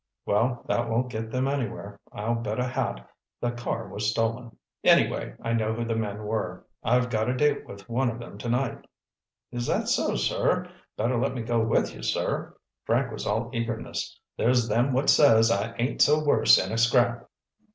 "Well, that won't get them anywhere. I'll bet a hat the car was stolen. Anyway, I know who the men were. I've got a date with one of them tonight." "Is that so, sir? Better let me go with you, sir!" Frank was all eagerness. "There's them what says I ain't so worse in a scrap."